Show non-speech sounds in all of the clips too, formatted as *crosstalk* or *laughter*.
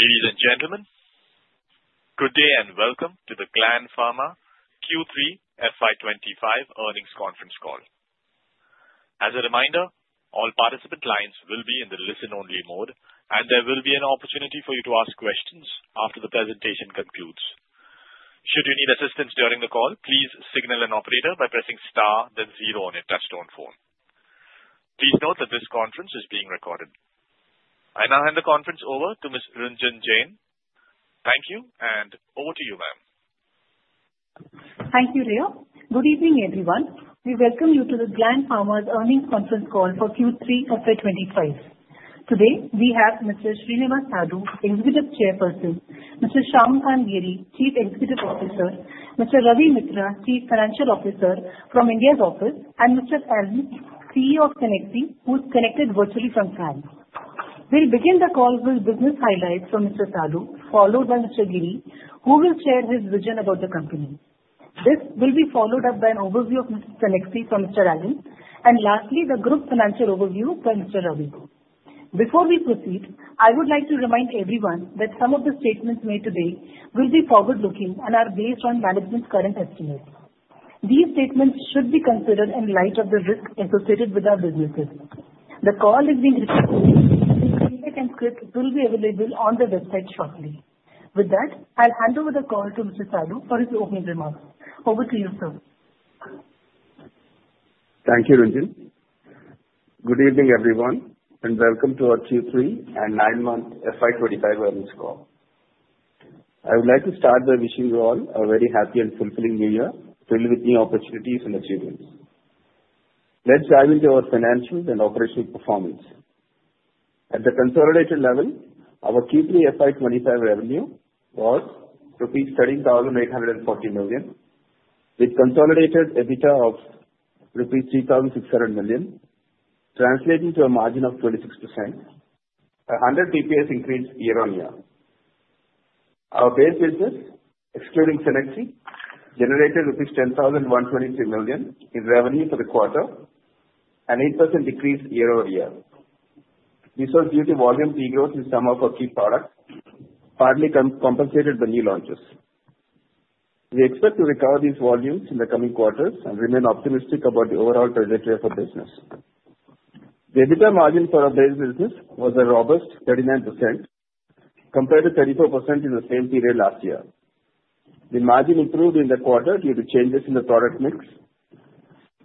Ladies and gentlemen, good day and welcome to the Gland Pharma Q3 FY25 earnings conference call. As a reminder, all participant lines will be in the listen-only mode, and there will be an opportunity for you to ask questions after the presentation concludes. Should you need assistance during the call, "please signal an operator by pressing star, then zero" on your touch-tone phone. Please note that this conference is being recorded. I now hand the conference over to Ms. Ranjini Jain. Thank you, and over to you, ma'am. Thank you, Leo. Good evening, everyone. We welcome you to the Gland Pharma's earnings conference call for Q3 FY25. Today, we have Mr. Srinivas Sadu, Executive Chairperson, Mr. Shyamakant Giri, Chief Executive Officer, Mr. Ravi Mitra, Chief Financial Officer from India's office, and Mr. Alain, CEO of Cenexi, who's connected virtually from Caen. We'll begin the call with business highlights from Mr. Sadu, followed by Mr. Giri, who will share his vision about the company. This will be followed up by an overview of Cenexi from Mr. Alain, and lastly, the group financial overview by Mr. Ravi. Before we proceed, I would like to remind everyone that some of the statements made today will be forward-looking and are based on management's current estimates. These statements should be considered in light of the risks associated with our businesses. The call is being recorded, and the transcript will be available on the website shortly. With that, I'll hand over the call to Mr. Sadu for his opening remarks. Over to you, sir. Thank you, Ranjin. Good evening, everyone, and welcome to our Q3 and nine-month FY25 earnings call. I would like to start by wishing you all a very happy and fulfilling New Year, filled with new opportunities and achievements. Let's dive into our financials and operational performance. At the consolidated level, our Q3 FY25 revenue was rupees 13,840 million, with consolidated EBITDA of rupees 3,600 million, translating to a margin of 26%, a 100 bps increase year-on-year. Our base business, excluding Cenexi, generated rupees 10,122 million in revenue for the quarter, an 8% decrease year-over-year. This was due to volume degrowth in some of our key products, partly compensated by new launches. We expect to recover these volumes in the coming quarters and remain optimistic about the overall trajectory of our business. The EBITDA margin for our base business was a robust 39%, compared to 34% in the same period last year. The margin improved in the quarter due to changes in the product mix,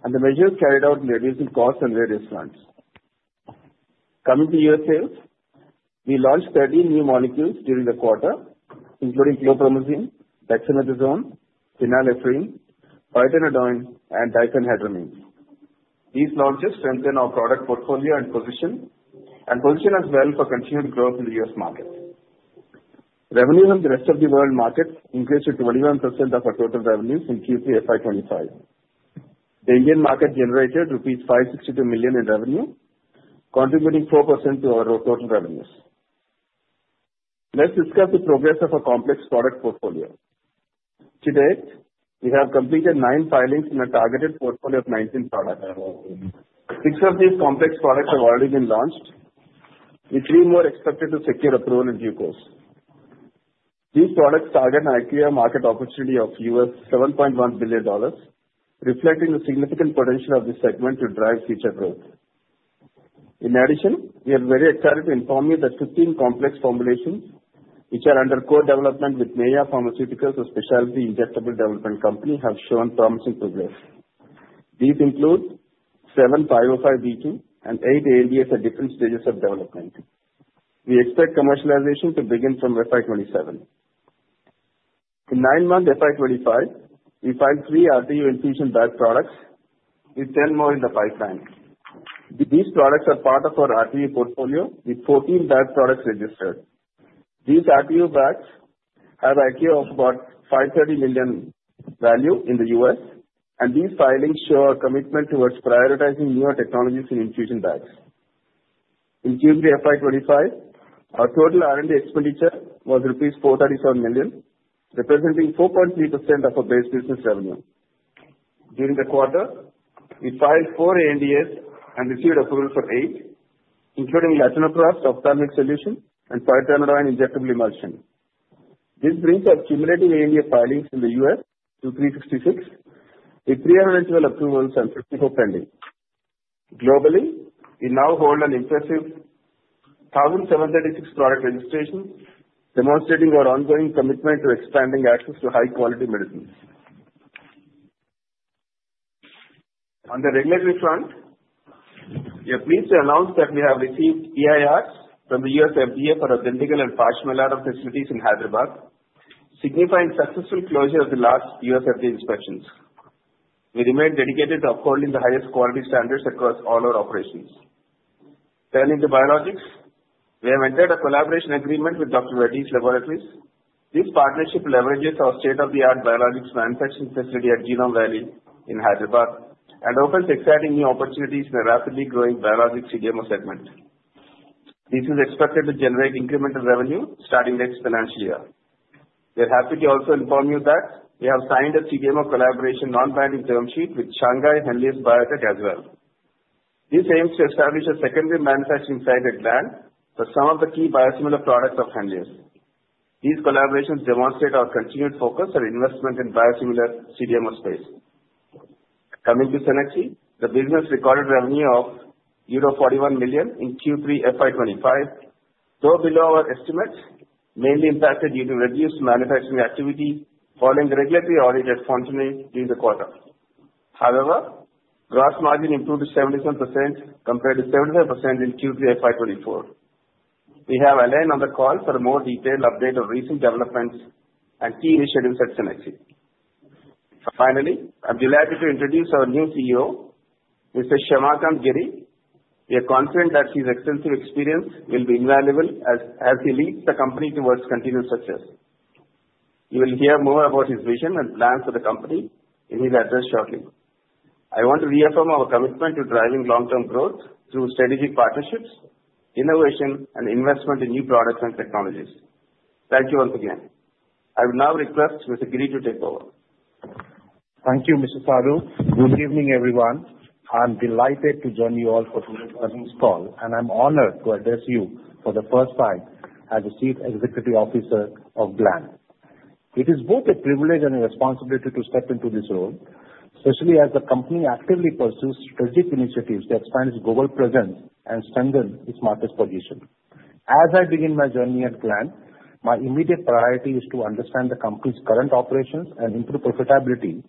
and the measures carried out in reducing costs and various funds. Coming to year sales, we launched 13 new molecules during the quarter, including Clofamizine, Dexamethasone, Phenylephrine, Phytonadione, and Diphenhydramine. These launches strengthen our product portfolio and position us well for continued growth in the US market. Revenues on the rest of the world markets increased to 21% of our total revenues in Q3 FY25. The Indian market generated rupees 562 million in revenue, contributing 4% to our total revenues. Let's discuss the progress of our complex product portfolio. Today, we have completed nine filings in a targeted portfolio of 19 products. Six of these complex products have already been launched, with three more expected to secure approval in due course. These products target an IQVIA market opportunity of $7.1 billion, reflecting the significant potential of this segment to drive future growth. In addition, we are very excited to inform you that 15 complex formulations, which are under co-development with Nectar Pharmaceuticals, a specialty injectable development company, have shown promising progress. These include seven 505(b)(2) and eight ANDAs at different stages of development. We expect commercialization to begin from FY27. In nine-month FY25, we filed three RTU infusion bag products, with 10 more in the pipeline. These products are part of our RTU portfolio, with 14 bag products registered. These RTU bags have an IQVIA of about 530 million value in the US, and these filings show our commitment towards prioritizing newer technologies in infusion bags. In Q3 FY25, our total R&D expenditure was rupees 437 million, representing 4.3% of our base business revenue. During the quarter, we filed four ANDAs and received approval for eight, including latanoprost ophthalmic solution and phytonadione injectable emulsion. This brings our cumulative ANDA filings in the U.S. to 366, with 312 approvals and 54 pending. Globally, we now hold an impressive 1,736 product registrations, demonstrating our ongoing commitment to expanding access to high-quality medicines. On the regulatory front, we are pleased to announce that we have received EIRs from the U.S. FDA for Unit 1 and Pashamylaram facilities in Hyderabad, signifying successful closure of the last U.S. FDA inspections. We remain dedicated to upholding the highest quality standards across all our operations. Turning to biologics, we have entered a collaboration agreement with Dr. Reddy's Laboratories. This partnership leverages our state-of-the-art biologics manufacturing facility at Genome Valley in Hyderabad and opens exciting new opportunities in a rapidly growing biologics CDMO segment. This is expected to generate incremental revenue starting next financial year. We are happy to also inform you that we have signed a CDMO collaboration non-binding term sheet with Shanghai Henlius Biotech as well. This aims to establish a secondary manufacturing site at Gland for some of the key biosimilar products of Henlius. These collaborations demonstrate our continued focus and investment in biosimilar CDMO space. Coming to Cenexi, the business recorded revenue of euro 41 million in Q3 FY25, though below our estimates, mainly impacted due to reduced manufacturing activity following regulatory audit at Fontenay during the quarter. However, gross margin improved to 77% compared to 75% in Q3 FY24. We have Alain on the call for a more detailed update of recent developments and key initiatives at Cenexi. Finally, I'm delighted to introduce our new CEO, Mr. Shyamakant Giri. We are confident that his extensive experience will be invaluable as he leads the company towards continued success. You will hear more about his vision and plans for the company in his address shortly. I want to reaffirm our commitment to driving long-term growth through strategic partnerships, innovation, and investment in new products and technologies. Thank you once again. I would now request Mr. Giri to take over. Thank you, Mr. Sadu. Good evening, everyone. I'm delighted to join you all for today's earnings call, and I'm honored to address you for the first time as the Chief Executive Officer of Gland. It is both a privilege and a responsibility to step into this role, especially as the company actively pursues strategic initiatives to expand its global presence and strengthen its market position. As I begin my journey at Gland, my immediate priority is to understand the company's current operations and improve profitability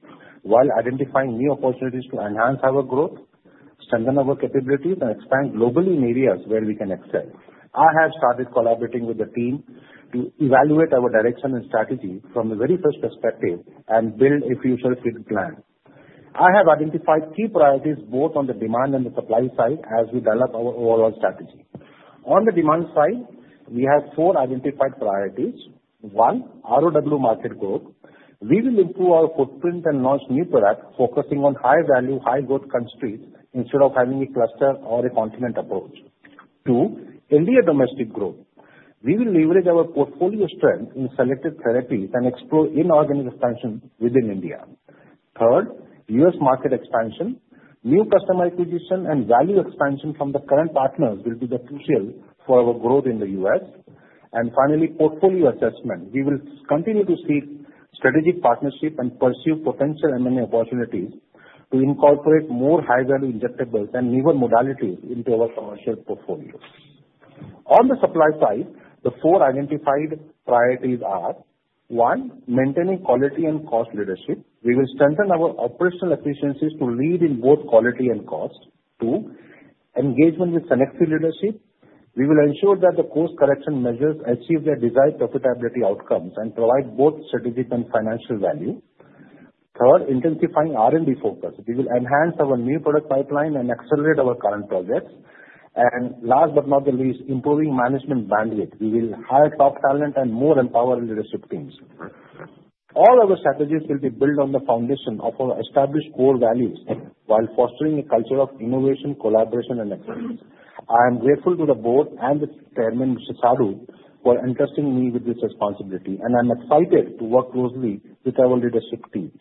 while identifying new opportunities to enhance our growth, strengthen our capabilities, and expand globally in areas where we can excel. I have started collaborating with the team to evaluate our direction and strategy from the very first perspective and build a future-fit plan. I have identified key priorities both on the demand and the supply side as we develop our overall strategy. On the demand side, we have four identified priorities. One, ROW market growth. We will improve our footprint and launch new products focusing on high-value, high-growth countries instead of having a cluster or a continent approach. Two, India domestic growth. We will leverage our portfolio strength in selected therapies and explore inorganic expansion within India. Third, U.S. market expansion. New customer acquisition and value expansion from the current partners will be crucial for our growth in the U.S. And finally, portfolio assessment. We will continue to seek strategic partnerships and pursue potential M&A opportunities to incorporate more high-value injectables and newer modalities into our commercial portfolio. On the supply side, the four identified priorities are: one, maintaining quality and cost leadership. We will strengthen our operational efficiencies to lead in both quality and cost. Two, engagement with Cenexi leadership. We will ensure that the cost-correction measures achieve their desired profitability outcomes and provide both strategic and financial value. Third, intensifying R&D focus. We will enhance our new product pipeline and accelerate our current projects. And last but not the least, improving management bandwidth. We will hire top talent and more empowered leadership teams. All our strategies will be built on the foundation of our established core values while fostering a culture of innovation, collaboration, and excellence. I am grateful to the board and the chairman, Mr. Sadu, for entrusting me with this responsibility, and I'm excited to work closely with our leadership team.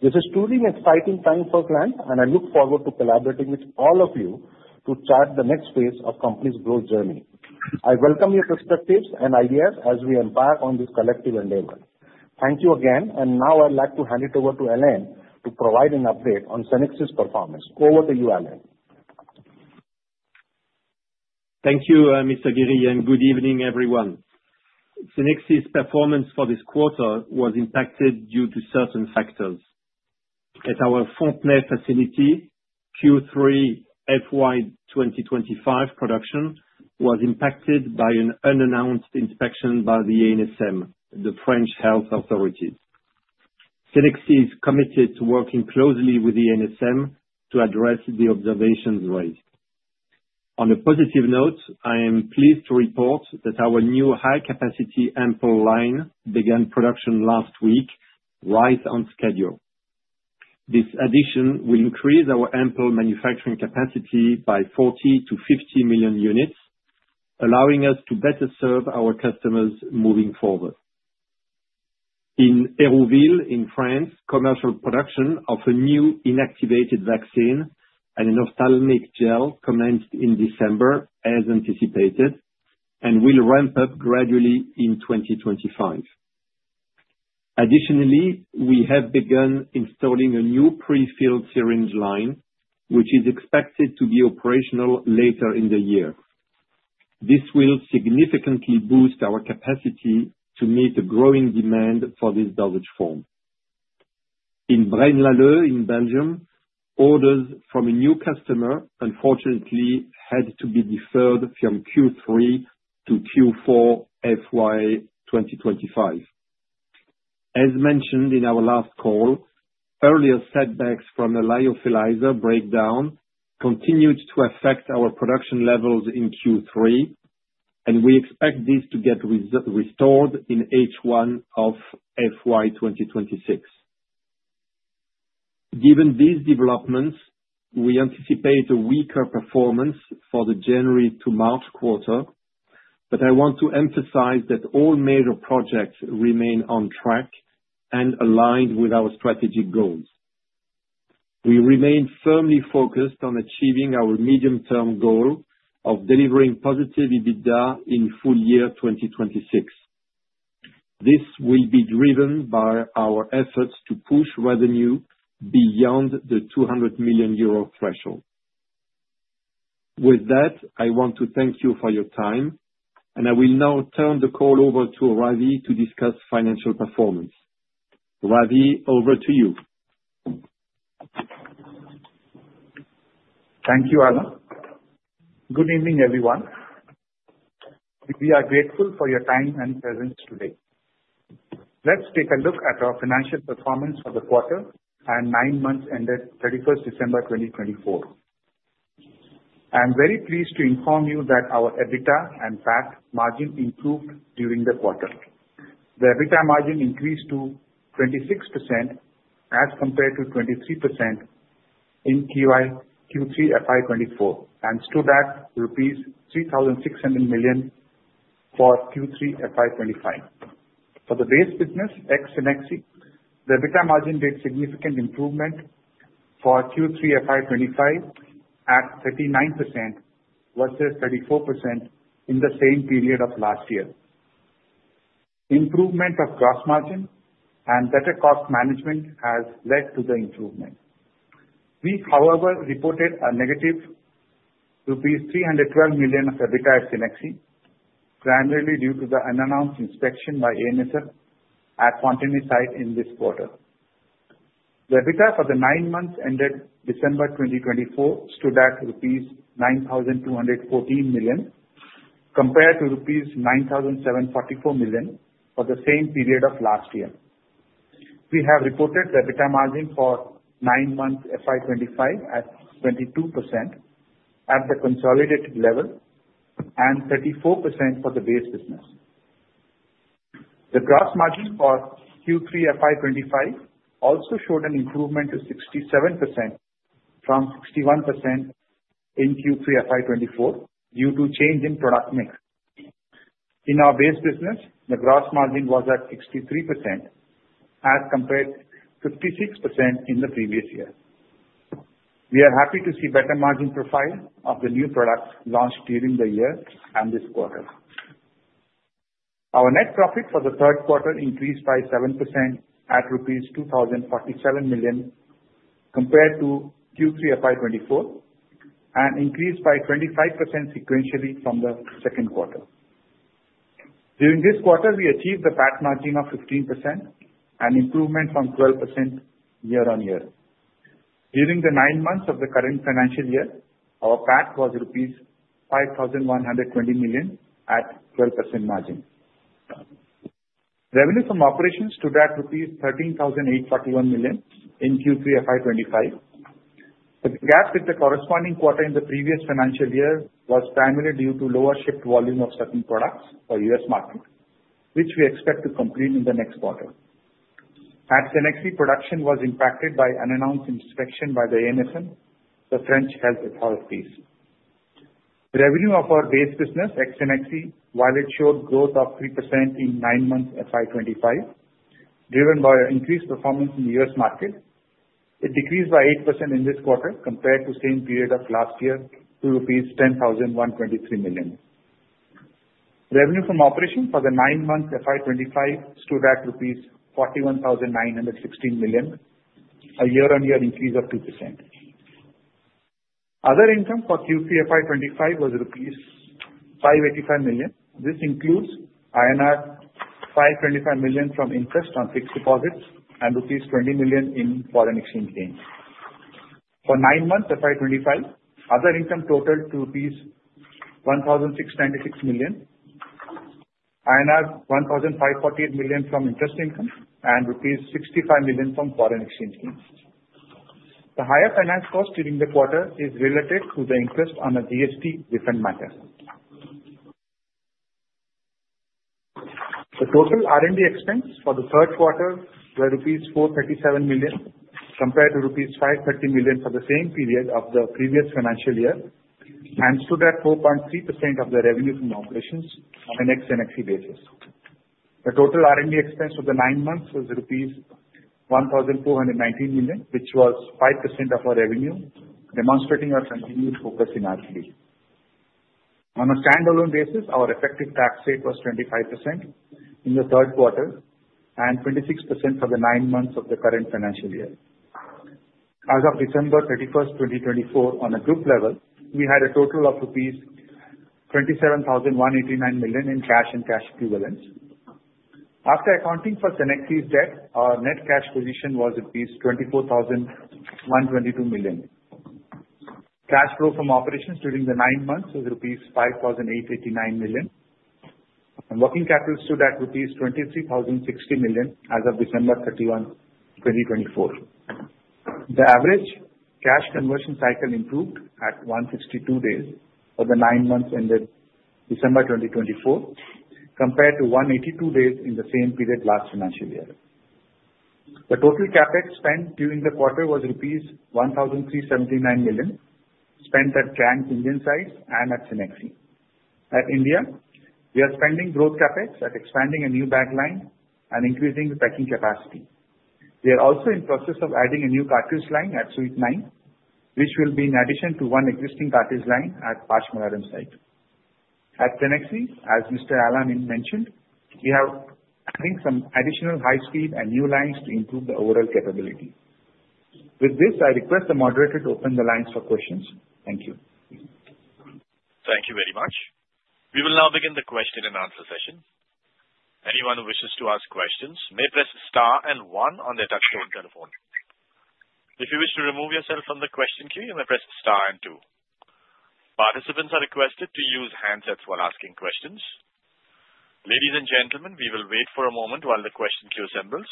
This is truly an exciting time for Gland, and I look forward to collaborating with all of you to chart the next phase of the company's growth journey. I welcome your perspectives and ideas as we embark on this collective endeavor. Thank you again, and now I'd like to hand it over to Alain to provide an update on Cenexi's performance. Over to you, Alain. Thank you, Mr. Giri, and good evening, everyone. Cenexi's performance for this quarter was impacted due to certain factors. At our Fontenay facility, Q3 FY25 production was impacted by an unannounced inspection by the ANSM, the French health authority. Cenexi is committed to working closely with the ANSM to address the observations raised. On a positive note, I am pleased to report that our new high-capacity ampoule line began production last week, right on schedule. This addition will increase our ampoule manufacturing capacity by 40-50 million units, allowing us to better serve our customers moving forward. In Hérouville, in France, commercial production of a new inactivated vaccine and a ophthalmic gel commenced in December, as anticipated, and will ramp up gradually in 2025. Additionally, we have begun installing a new prefilled syringe line, which is expected to be operational later in the year. This will significantly boost our capacity to meet the growing demand for this dosage form. In Braine-l'Alleud in Belgium, orders from a new customer unfortunately had to be deferred from Q3 to Q4 FY25. As mentioned in our last call, earlier setbacks from the lyophilizer breakdown continued to affect our production levels in Q3, and we expect this to get restored in H1 of FY26. Given these developments, we anticipate a weaker performance for the January to March quarter, but I want to emphasize that all major projects remain on track and aligned with our strategic goals. We remain firmly focused on achieving our medium-term goal of delivering positive EBITDA in full year 2026. This will be driven by our efforts to push revenue beyond the 200 million euro threshold. With that, I want to thank you for your time, and I will now turn the call over to Ravi to discuss financial performance. Ravi, over to you. Thank you, Alain. Good evening, everyone. We are grateful for your time and presence today. Let's take a look at our financial performance for the quarter and nine months ended 31st December 2024. I'm very pleased to inform you that our EBITDA and PAT margin improved during the quarter. The EBITDA margin increased to 26% as compared to 23% in Q3 FY24, and stood at INR 3,600 million for Q3 FY25. For the base business at Cenexi, the EBITDA margin did significant improvement for Q3 FY25 at 39% versus 34% in the same period of last year. Improvement of gross margin and better cost management has led to the improvement. We, however, reported a negative rupees 312 million of EBITDA at Cenexi, primarily due to the unannounced inspection by ANSM at Fontenay site in this quarter. The EBITDA for the nine months ended December 2024 stood at rupees 9,214 million compared to rupees 9,744 million for the same period of last year. We have reported the EBITDA margin for nine months FY25 at 22% at the consolidated level and 34% for the base business. The gross margin for Q3 FY25 also showed an improvement to 67% from 61% in Q3 FY24 due to change in product mix. In our base business, the gross margin was at 63% as compared to 56% in the previous year. We are happy to see a better margin profile of the new products launched during the year and this quarter. Our net profit for the third quarter increased by 7% at rupees 2,047 million compared to Q3 FY24 and increased by 25% sequentially from the second quarter. During this quarter, we achieved a PAT margin of 15% and improvement from 12% year-on-year. During the nine months of the current financial year, our PAT was rupees 5,120 million at 12% margin. Revenue from operations stood at rupees 13,841 million in Q3 FY25. The gap with the corresponding quarter in the previous financial year was primarily due to lower shipped volume of certain products for the US market, which we expect to complete in the next quarter. At Cenexi, production was impacted by an unannounced inspection by the ANSM, the French health authorities. Revenue of our base business at Cenexi, while it showed growth of 3% in nine months FY25, was driven by increased performance in the US market. It decreased by 8% in this quarter compared to the same period of last year to rupees 10,123 million. Revenue from operations for the nine months FY25 stood at rupees 41,916 million, a year-on-year increase of 2%. Other income for Q3 FY25 was rupees 585 million. This includes INR 525 million from interest on fixed deposits and rupees 20 million in foreign exchange gains. For nine months FY25, other income totaled to 1,696 million, INR 1,548 million from interest income, and rupees 65 million from foreign exchange gains. The higher finance cost during the quarter is related to the interest on a GST refund matter. The total R&D expense for the third quarter was rupees 437 million compared to rupees 530 million for the same period of the previous financial year and stood at 4.3% of the revenue from operations on an ex-Cenexi basis. The total R&D expense for the nine months was rupees 1,419 million, which was 5% of our revenue, demonstrating our continued focus in R&D. On a standalone basis, our effective tax rate was 25% in the third quarter and 26% for the nine months of the current financial year. As of December 31st, 2024, on a group level, we had a total of rupees 27,189 million in cash and cash equivalents. After accounting for Cenexi's debt, our net cash position was 24,122 million. Cash flow from operations during the nine months was rupees 5,889 million. Working capital stood at rupees 23,060 million as of December 31, 2024. The average cash conversion cycle improved at 162 days for the nine months ended December 2024, compared to 182 days in the same period last financial year. The total CapEx spent during the quarter was rupees 1,379 million at Gland's Indian sites and at Cenexi. In India, we are spending growth CapEx at expanding a new bag line and increasing the packing capacity. We are also in the process of adding a new cartridge line at Suite 9, which will be in addition to one existing cartridge line at Pashamylaram site. At Cenexi, as Mr.Alain mentioned, we are adding some additional high-speed and new lines to improve the overall capability. With this, I request the moderator to open the lines for questions. Thank you. Thank you very much. We will now begin the question and answer session. Anyone who wishes "to ask questions may press star and one" on their touch-tone telephone. If you wish "to remove yourself from the question queue, you may press star and two". Participants are requested to use handsets while asking questions. Ladies and gentlemen, we will wait for a moment while the question queue assembles.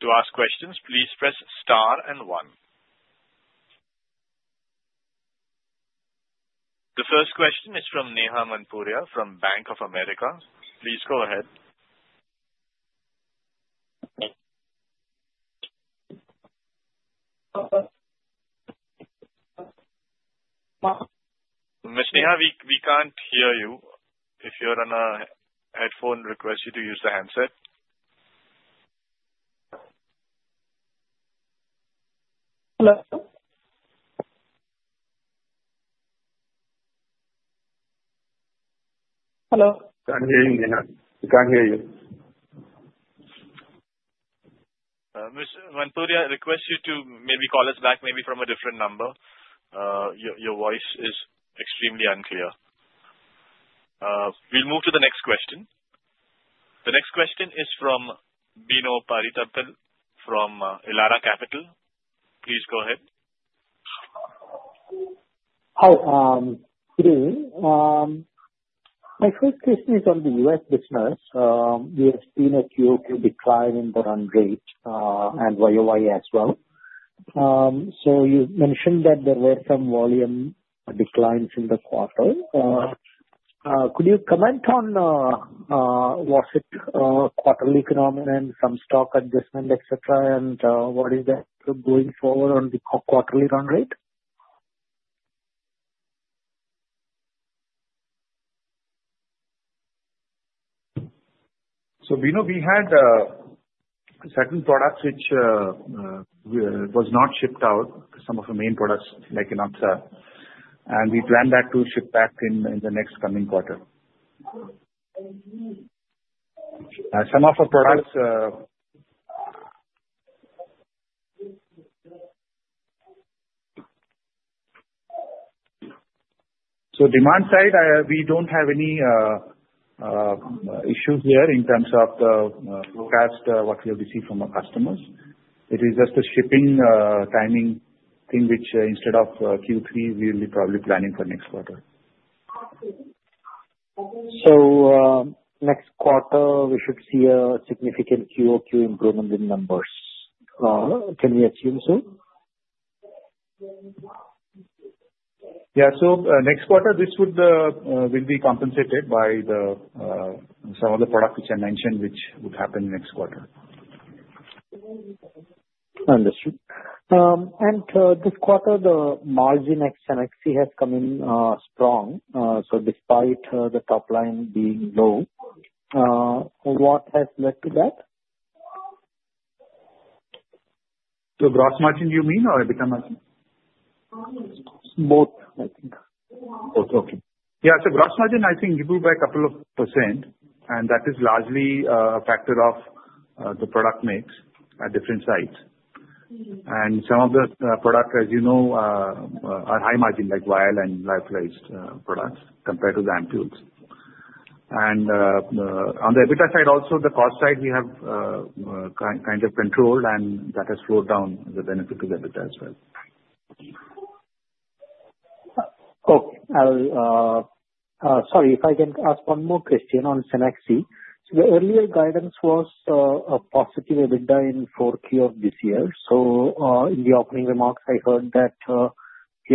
"To ask questions, please press star and one". The first question is from Neha Manpuria from Bank of America. Please go ahead. Ms. Neha, we can't hear you. If you're on a headphone, we request you to use the handset. Hello. Hello. Can't hear you, Neha. We can't hear you. Ms. Manpuria, I request you to maybe call us back, maybe from a different number. Your voice is extremely unclear. We'll move to the next question. The next question is from Bino Pathiparampil from Elara Capital. Please go ahead. Hi, Giri. My first question is on the U.S. business. We have seen a QOQ decline in the run rate and YOY as well. So you mentioned that there were some volume declines in the quarter. Could you comment on what is it, quarterly phenomenon, some stock adjustment, etc., and what is that going forward on the quarterly run rate? So Bino, we had certain products which were not shipped out, some of the main products like Enoxa, and we plan that to ship back in the next coming quarter. Some of our products so demand side, we don't have any issues here in terms of the forecast, what we receive from our customers. It is just the shipping timing thing which instead of Q3, we'll be probably planning for next quarter. So next quarter, we should see a significant QOQ improvement in numbers. Can we assume so? Yeah. So next quarter, this will be compensated by some of the products which I mentioned, which would happen next quarter. Understood. And this quarter, the margin at Cenexi has come in strong. So despite the top line being low, what has led to that? So gross margin, you mean, or EBITDA margin? Both, I think. Both. Okay. Yeah, so gross margin, I think, improved by a couple of percent, and that is largely a factor of the product mix at different sites, and some of the products, as you know, are high margin like vial and lyophilized products compared to the ampoules, and on the EBITDA side, also the cost side, we have kind of controlled, and that has slowed down the benefit of EBITDA as well. Okay. Sorry, if I can ask one more question on Cenexi. So the earlier guidance was a positive EBITDA in fourth year of this year. So in the opening remarks, I heard that you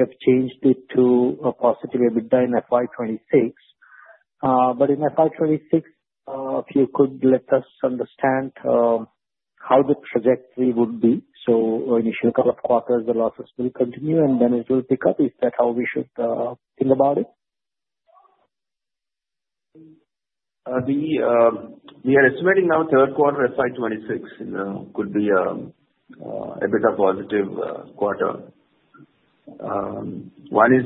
have changed it to a positive EBITDA in FY26. But in FY26, if you could let us understand how the trajectory would be. So initial couple of quarters, the losses will continue, and then it will pick up. Is that how we should think about it? We are estimating now third quarter FY26 could be a bit of a positive quarter. One is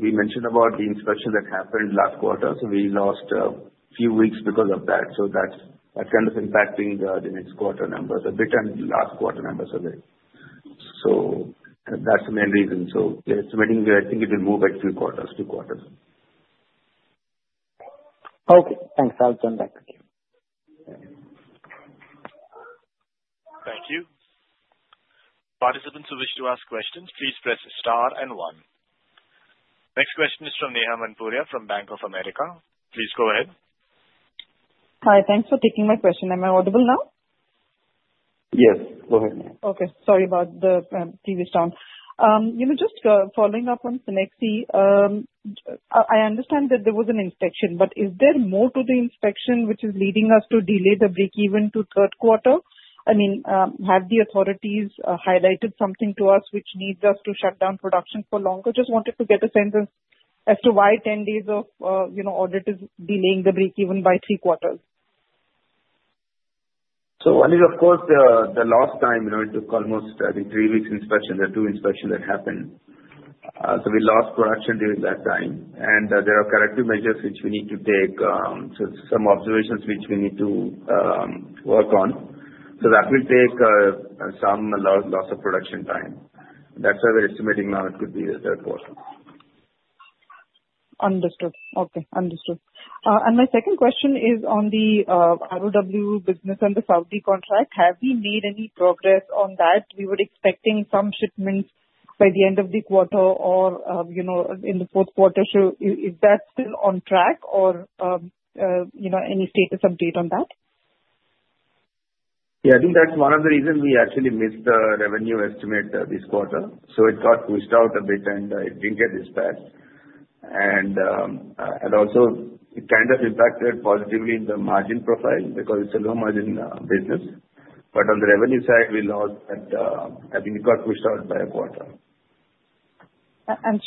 we mentioned about the inspection that happened last quarter. So we lost a few weeks because of that. So that's kind of impacting the next quarter numbers a bit and last quarter numbers a bit. So that's the main reason. So we're estimating, I think, it will move a few quarters, two quarters. Okay. Thanks. I'll turn back to you. Thank you. Participants who wish to ask questions, "please press star and one". Next question is from Neha Manpuria from Bank of America. Please go ahead. Hi. Thanks for taking my question. Am I audible now? Yes. Go ahead. Okay. Sorry about the TV sound. Just following up on Cenexi, I understand that there was an inspection, but is there more to the inspection which is leading us to delay the break-even to third quarter? I mean, have the authorities highlighted something to us which needs us to shut down production for long? I just wanted to get a sense as to why 10 days of auditors delaying the break-even by three quarters? So one is, of course, the lost time. It took almost, I think, three weeks' inspection. There are two inspections that happened. So we lost production during that time. And there are corrective measures which we need to take. So some observations which we need to work on. So that will take some loss of production time. That's why we're estimating now it could be the third quarter. Understood. Okay. Understood. And my second question is on the ROW business and the Saudi contract. Have we made any progress on that? We were expecting some shipments by the end of the quarter or in the fourth quarter. Is that still on track or any status update on that? Yeah. I think that's one of the reasons we actually missed the revenue estimate this quarter. So it got pushed out a bit, and it didn't get dispatched. And also, it kind of impacted positively in the margin profile because it's a low-margin business. But on the revenue side, we lost that. I think it got pushed out by a quarter.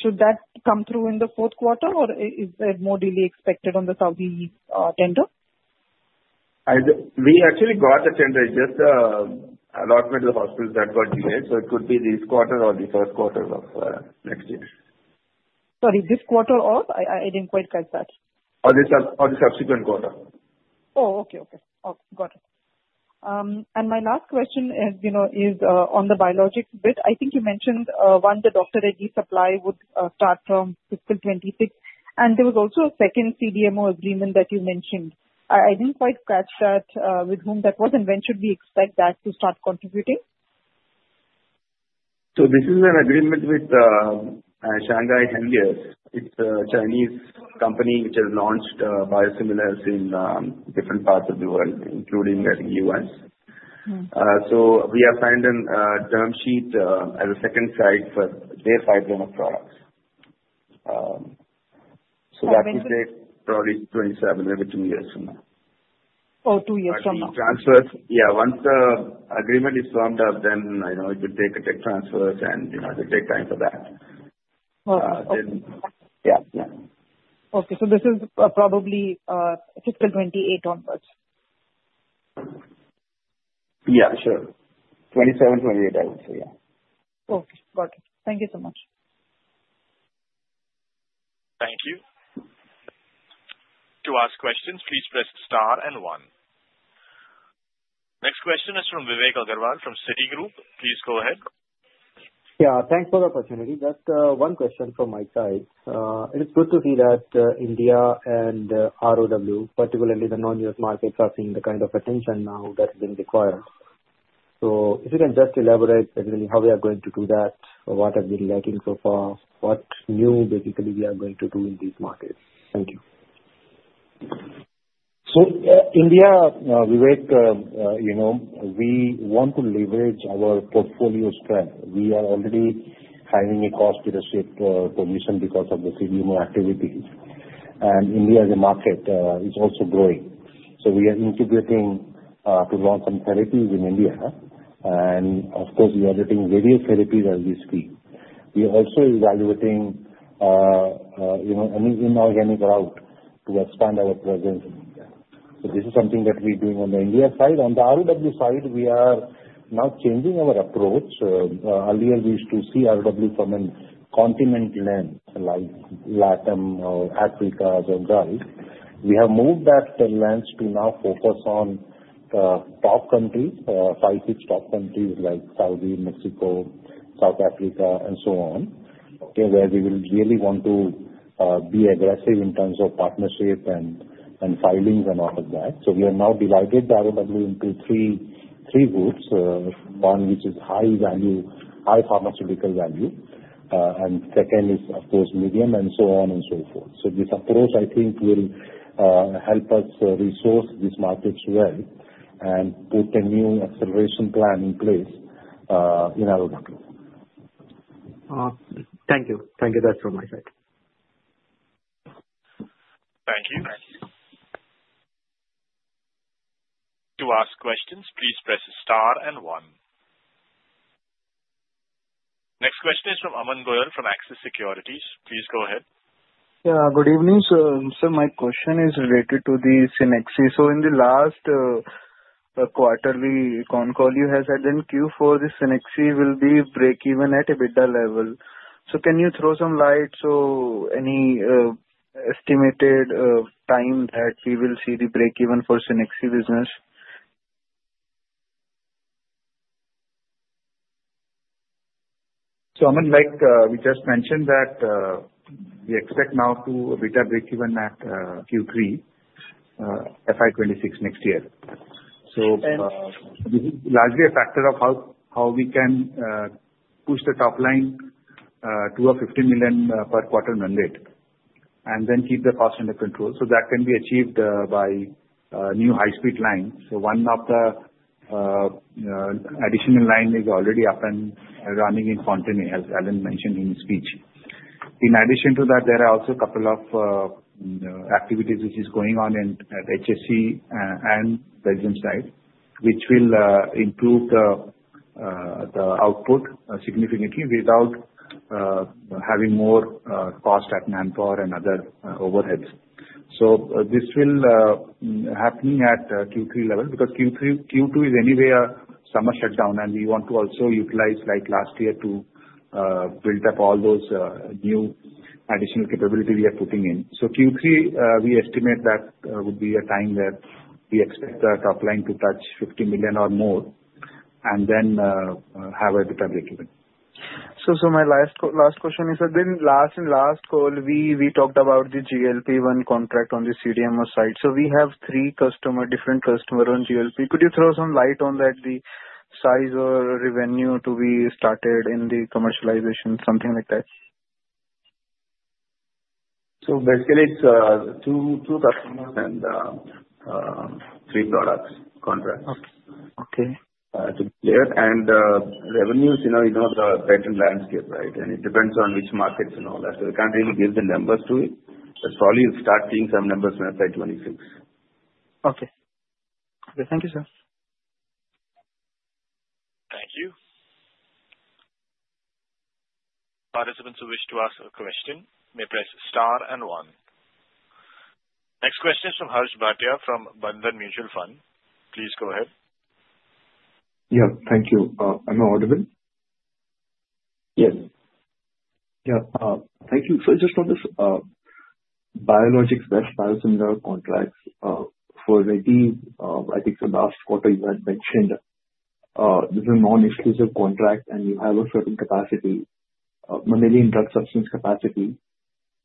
Should that come through in the fourth quarter, or is there more delay expected on the Saudi tender? We actually got the tender. It's just allotment of the hospitals that got delayed, so it could be this quarter or the first quarter of next year. Sorry, this quarter or? I didn't quite catch that. Or the subsequent quarter. Oh, okay. Okay. Got it. And my last question is on the Biologic Bit. I think you mentioned one, the Dr. Reddy's supply would start from April 2026. And there was also a second CDMO agreement that you mentioned. I didn't quite catch that. With whom that was, and when should we expect that to start contributing? This is an agreement with Shanghai Henlius. It's a Chinese company which has launched biosimilars in different parts of the world, including the U.S. We have signed a term sheet as a second site for their 500 products. *crosstalk* That will take probably two to seven, maybe two years from now. Oh, two years from now. Once it's transferred, yeah. Once the agreement is firmed up, then it will take a tech transfer, and it will take time for that. Okay. Yeah. Yeah. Okay, so this is probably April 28 onwards? Yeah. Sure. 27, 28, I would say. Yeah. Okay. Got it. Thank you so much. Thank you. To ask questions, "please press star and one. Next question is from Vivek Agarwal from Citigroup. Please go ahead. Yeah. Thanks for the opportunity. Just one question from my side. It is good to see that India and ROW, particularly the non-US markets, are seeing the kind of attention now that has been required. So if you can just elaborate basically how we are going to do that, what have we been lacking so far, what new basically we are going to do in these markets? Thank you. So India, Vivek, we want to leverage our portfolio strength. We are already having a cost leadership position because of the CDMO activities. And India as a market is also growing. We are integrating to launch some therapies in India. And of course, we are getting various therapies as we speak. We are also evaluating any inorganic route to expand our presence in India. This is something that we're doing on the India side. On the ROW side, we are now changing our approach. Earlier, we used to see ROW from a continent lens like Latin or Africa or Gulf. We have moved that lens to now focus on top countries, five, six top countries like Saudi, Mexico, South Africa, and so on, where we will really want to be aggressive in terms of partnership and filings and all of that. We are now divided the ROW into three groups. One which is high value, high pharmaceutical value. And second is, of course, medium and so on and so forth. This approach, I think, will help us resource these markets well and put a new acceleration plan in place in ROW. Thank you. Thank you. That's from my side. Thank you. To ask questions, please press star and one. Next question is from Aman Goyal from Axis Securities. Please go ahead. Yeah. Good evening. So my question is related to the Cenexi. So in the last quarterly phone call, you had said then Q4, the Cenexi will be break-even at EBITDA level. So can you throw some light? So any estimated time that we will see the break-even for Cenexi business? Aman, like, we just mentioned that we expect now to EBITDA break-even at Q3, FY26 next year. *crosstalk* This is largely a factor of how we can push the top line to a 15 million per quarter run rate and then keep the cost under control. That can be achieved by new high-speed lines. One of the additional lines is already up and running in Fontenay, as Alain mentioned in his speech. In addition to that, there are also a couple of activities which are going on at HSC and Belgium side, which will improve the output significantly without having more cost at manpower and other overheads. This will be happening at Q3 level because Q2 is anyway a summer shutdown, and we want to also utilize like last year to build up all those new additional capabilities we are putting in. So Q3, we estimate that would be a time that we expect the top line to touch 15 million or more and then have EBITDA break-even. So my last question is, in the last earnings call, we talked about the GLP-1 contract on the CDMO side. So we have three customers, different customers on GLP. Could you throw some light on that, the size or revenue to be started in the commercialization, something like that? So basically, it's two customers and three products contracts *crosstalk* to be clear. And revenues, you know the patent landscape, right? And it depends on which markets and all that. So we can't really give the numbers to it. But probably we'll start seeing some numbers on FY26. Okay. Thank you, sir. Thank you. Participants who wish "to ask a question may press star and one". Next question is from Harsh Bhatia from Bandhan Mutual Fund. Please go ahead. Yeah. Thank you. I'm audible? Yes. Yeah. Thank you. So just on this biologics versus biosimilar contracts for ready, I think the last quarter you had mentioned this is a non-exclusive contract, and you have a certain capacity, mammalian drug substance capacity.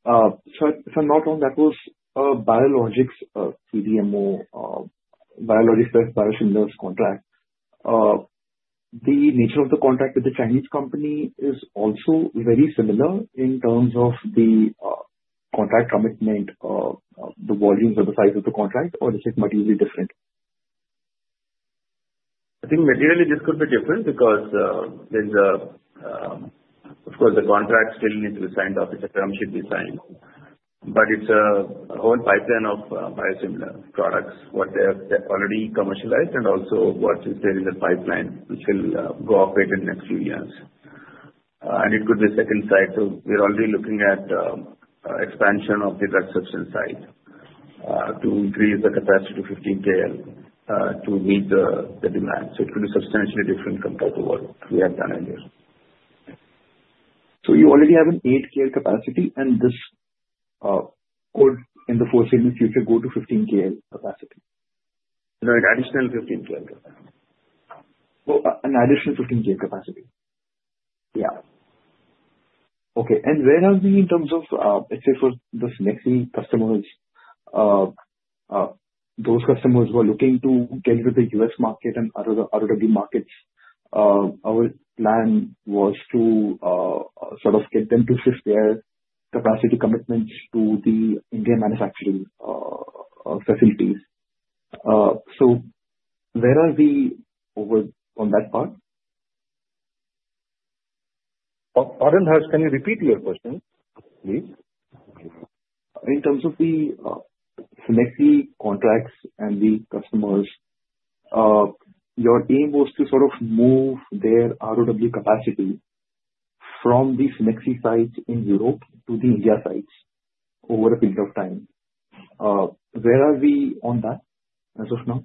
So not only that, that was a biologics CDMO, biologics versus biosimilars contract. The nature of the contract with the Chinese company is also very similar in terms of the contract commitment, the volumes of the size of the contract, or is it materially different? I think materially this could be different because there's a, of course, the contract still needs to be signed off. It's a term sheet design, but it's a whole pipeline of biosimilar products, what they have already commercialized and also what is there in the pipeline which will go up within the next few years, and it could be a second site, so we're already looking at expansion of the drug substance side to increase the capacity to 15 KL to meet the demand, so it could be substantially different compared to what we have done earlier. So you already have an 8 KL capacity, and this could in the foreseeable future go to 15 KL capacity? Right. Additional 15 KL capacity. An additional 15 KL capacity. Yeah. Okay. And where are we in terms of, let's say, for the Cenexi customers, those customers who are looking to get into the US market and other ROW markets? Our plan was to sort of get them to shift their capacity commitments to the Indian manufacturing facilities. So where are we on that part? Aman, Harsh, can you repeat your question, please? In terms of the Cenexi contracts and the customers, your aim was to sort of move their ROW capacity from the Cenexi sites in Europe to the India sites over a period of time. Where are we on that as of now?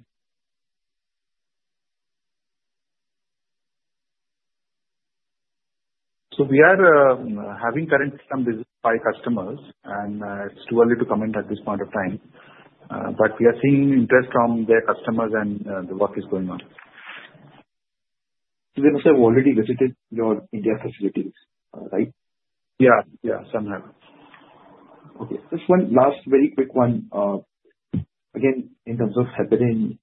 We are having currently some visits by customers, and it's too early to comment at this point of time. We are seeing interest from their customers, and the work is going on. So they must have already visited your India facilities, right? Yeah. Yeah. Somehow. Okay. Just one last very quick one. Again, in terms of Heparin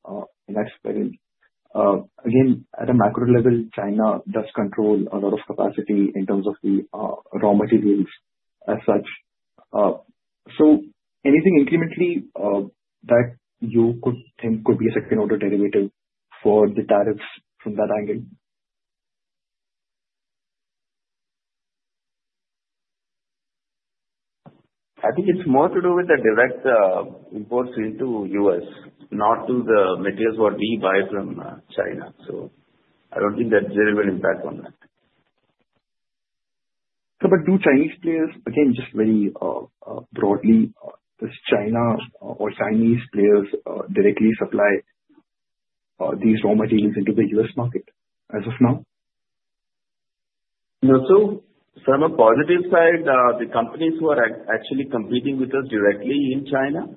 and Aspirin, again, at a macro level, China does control a lot of capacity in terms of the raw materials as such. So anything incrementally that you could think could be a second-order derivative for the tariffs from that angle? I think it's more to do with the direct imports into the U.S., not to the materials what we buy from China. So I don't think there's a real impact on that. Do Chinese players, again, just very broadly, does China or Chinese players directly supply these raw materials into the U.S. market as of now? So from a positive side, the companies who are actually competing with us directly in China,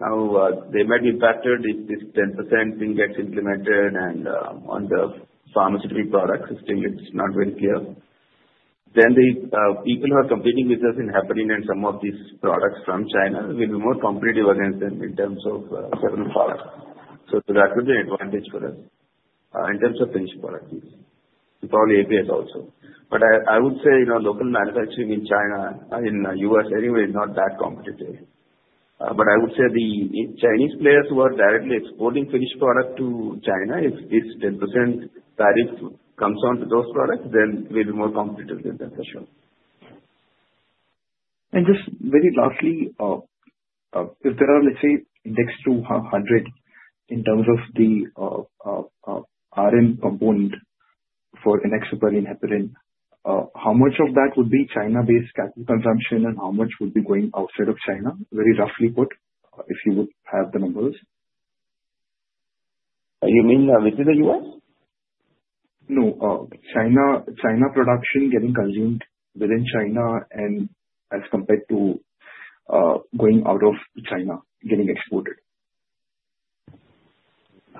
now they might be affected if this 10% thing gets implemented and on the pharmaceutical products is still not very clear. Then the people who are competing with us in Heparin and some of these products from China will be more competitive against them in terms of certain products. So that will be an advantage for us in terms of finished products. And probably APS also. But I would say local manufacturing in China, in the US anyway, is not that competitive. But I would say the Chinese players who are directly exporting finished products to China, if this 10% tariff comes on to those products, then we'll be more competitive with them for sure. Just very lastly, if there are, let's say, next to 100% in terms of the RM component for Enoxaparin Heparin, how much of that would be China-based captive consumption, and how much would be going outside of China, very roughly put, if you would have the numbers? You mean within the U.S.? No. China production getting consumed within China and as compared to going out of China getting exported?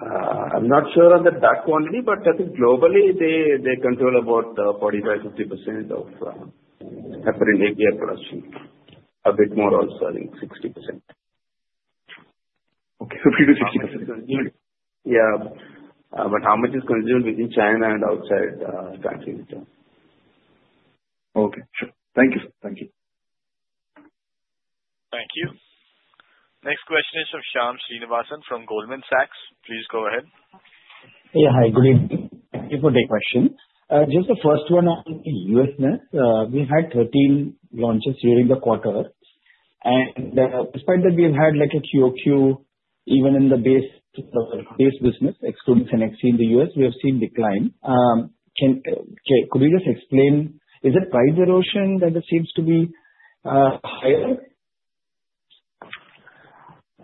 I'm not sure on the exact quantity, but I think globally, they control about 45-50% of Heparin APIs production. A bit more also in 60%. Okay. 50 to 60%. Yeah. But how much is consumed within China and outside the country? Okay. Sure. Thank you. Thank you. Thank you. Next question is from Shyam Srinivasan from Goldman Sachs. Please go ahead. Yeah. Hi. Good evening. Thank you for the question. Just the first one on the U.S.ness. We had 13 launches during the quarter. And despite that, we've had a QOQ even in the base business, excluding Cenexi in the U.S., we have seen decline. Could you just explain, is it price erosion that it seems to be higher?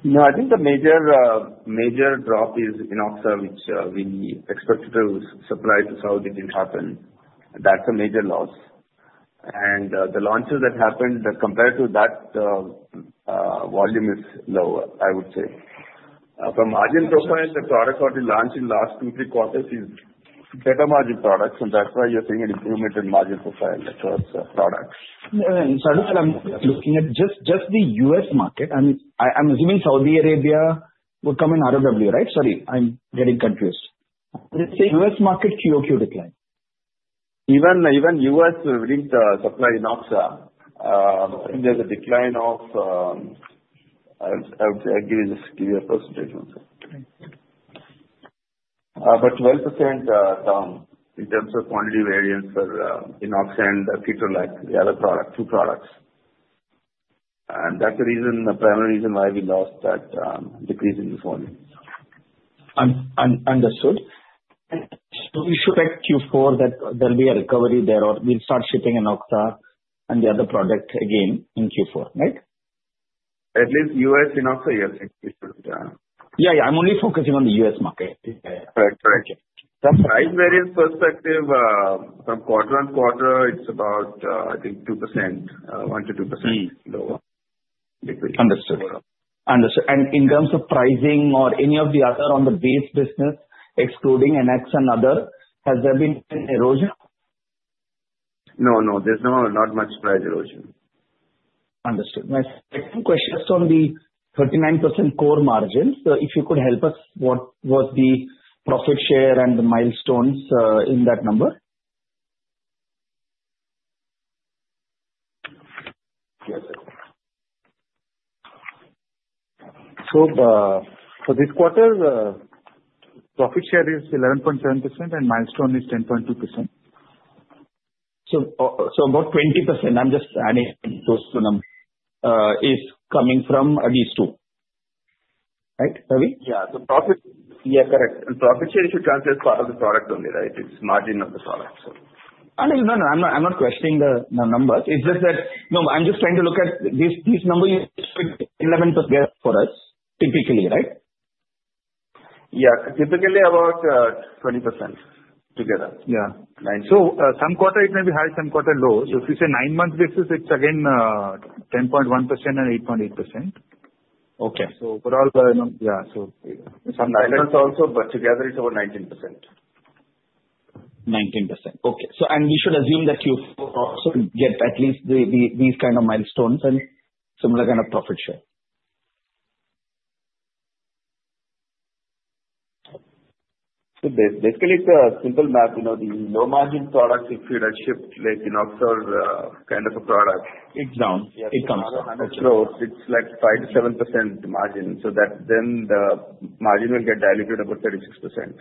No. I think the major drop is Enoxa, which we expected to supply to Saudi didn't happen. That's a major loss. And the launches that happened, compared to that, the volume is lower, I would say. From margin profile, the product we launched in the last two, three quarters is better margin products. And that's why you're seeing an improvement in margin profile across products. Sorry, but I'm looking at just the US market. I'm assuming Saudi Arabia would come in ROW, right? Sorry. I'm getting confused. US market QOQ decline. Even U.S. regarding the supply of Enoxa, I think there's a decline of, I would say, I'll give you a percentage also but 12% down in terms of quantity variance for Enoxa and Ketorolac, the other two products, and that's the reason, the primary reason why we lost that decrease in the volume. Understood. So we should expect Q4 that there'll be a recovery there or we'll start shipping Enoxa and the other product again in Q4, right? At least U.S. Enoxa, yes. Yeah. Yeah. I'm only focusing on the U.S. market. Correct. Correct. From price variance perspective, from quarter on quarter, it's about, I think, 2%, 1%-2% lower. Understood. Understood. And in terms of pricing or any of the other on the base business, excluding NX and other, has there been erosion? No. No. There's not much price erosion. Understood. My second question is on the 39% core margin. So if you could help us, what was the profit share and the milestones in that number? Yes. So for this quarter, profit share is 11.7% and milestone is 10.2%. So about 20%, I'm just adding those two numbers, is coming from these two, right? Yeah. So profit share is a part of the product only, right? It's margin of the product, so. I'm not even, not. I'm not questioning the numbers. It's just that, no, I'm just trying to look at these numbers with 11 to get for us, typically, right? Yeah. Typically about 20% together. Yeah. So some quarter it may be high, some quarter low. So if you say nine-month basis, it's again 10.1% and 8.8%. Okay. So overall, yeah. Some *crosstalk* dividends also, but together it's about 19%. 19%. Okay. And we should assume that you also get at least these kind of milestones and similar kind of profit share. So basically, it's a simple math. The low-margin products, if you ship Enoxa or kind of a product. It's down. It comes down. It's like 5%-7% margin. So then the margin will get diluted about 36%.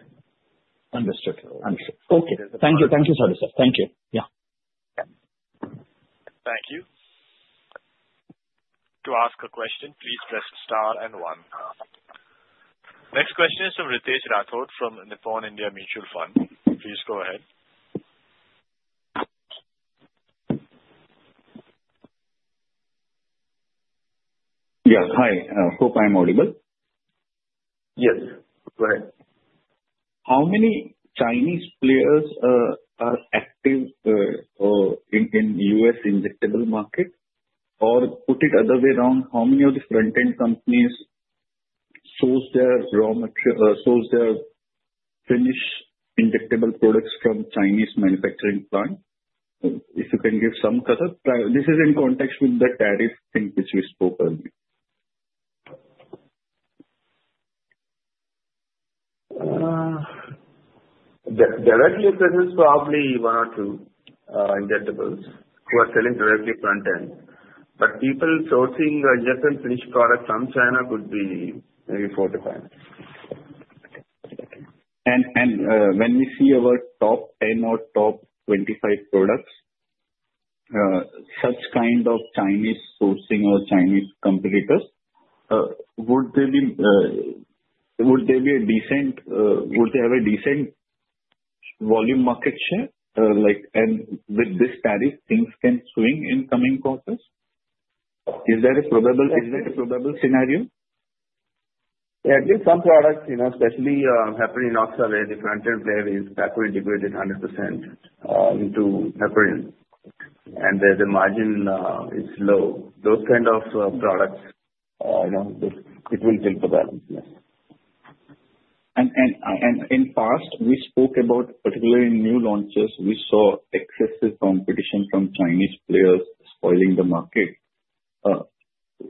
Understood. Understood. Okay. Thank you. Thank you, sir. Thank you. Yeah. Thank you. To ask a question, please press star and one. Next question is from Ritesh Rathod from Nippon India Mutual Fund. Please go ahead. Yes. Hi. I hope I'm audible. Yes. Go ahead. How many Chinese players are active in the U.S. injectable market? Or put it other way around, how many of the front-end companies source their raw materials, source their finished injectable products from Chinese manufacturing plant? If you can give some kind of this is in context with the tariff thing which we spoke earlier. Directly present is probably one or two injectables who are selling directly front-end. But people sourcing injectable finished products from China could be maybe four to five. When we see our top 10 or top 25 products, such kind of Chinese sourcing or Chinese competitors, would they have a decent volume market share? With this tariff, things can swing in coming quarters. Is there a probable scenario? At least some products, especially Heparin Enoxa, the front-end player is backward integrated 100% into Heparin. And the margin is low. Those kind of products, it will fill the balance. In the past, we spoke about particularly new launches. We saw excessive competition from Chinese players spoiling the market.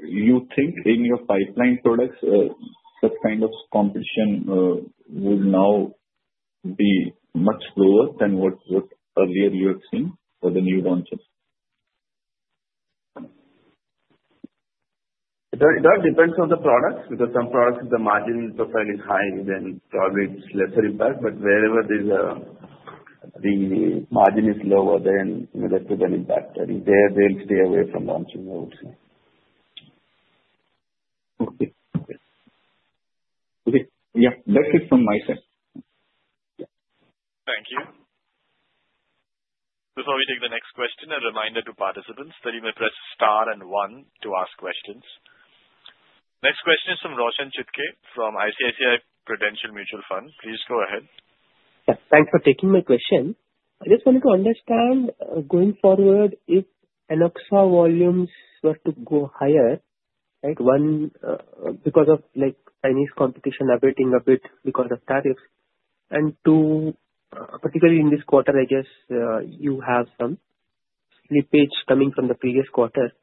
You think in your pipeline products, that kind of competition would now be much lower than what earlier you have seen for the new launches? It all depends on the products. Because some products, if the margin profile is high, then probably it's lesser impact. But wherever the margin is lower, then that's a better impact. And there, they'll stay away from launching, I would say. Okay. Okay. Yeah. That's it from my side. Thank you. Before we take the next question, a reminder to participants that you may press star and one to ask questions. Next question is from Roshan Chutkey from ICICI Prudential Mutual Fund. Please go ahead. Thanks for taking my question. I just wanted to understand going forward, if Enoxa volumes were to go higher, right, because of Chinese competition easing a bit because of tariffs. And two, particularly in this quarter, I guess you have some slippage coming from the previous quarter.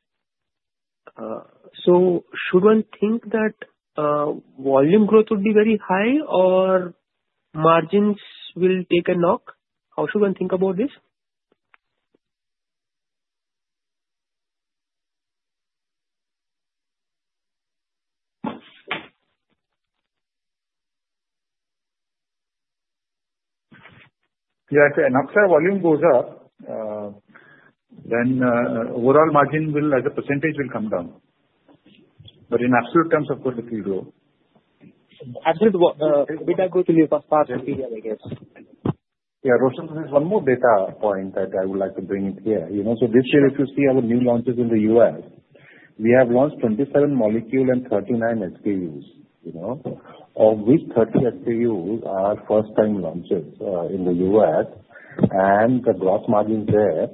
So should one think that volume growth would be very high or margins will take a knock? How should one think about this? Yeah. If Enoxa volume goes up, then overall margin will, as a percentage, come down. But in absolute terms, of course, it will grow. US data, go to the past period, I guess. Yeah. Roshan, there's one more data point that I would like to bring in here. So this year, if you see our new launches in the U.S., we have launched 27 molecules and 39 FPUs. Of which 30 FPUs are first-time launches in the U.S. And the gross margin there